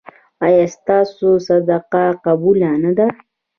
ایا ستاسو صدقه قبوله نه ده؟